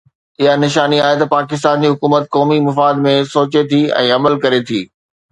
اها نشاني آهي ته پاڪستان جي حڪومت قومي مفاد ۾ سوچي ٿي ۽ عمل ڪري ٿي.